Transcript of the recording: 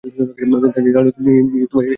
তাই জালালউদ্দিন নিজেই এই পদ গ্রহণ করেন।